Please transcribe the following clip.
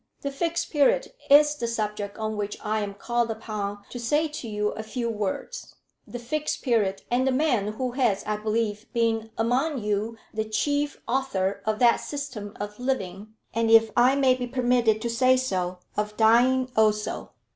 The Fixed Period is the subject on which I am called upon to say to you a few words; the Fixed Period, and the man who has, I believe, been among you the chief author of that system of living, and if I may be permitted to say so, of dying also."